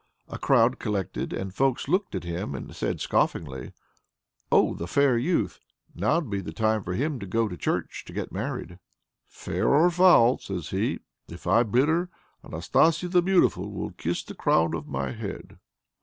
A crowd collected and folks looked at him and said scoffingly, "Oh, the fair youth! now'd be the time for him to go to church to get married!" "Fair or foul!" says he, "if I bid her, Anastasia the Beautiful will kiss the crown of my head."